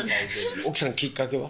奥さんきっかけは？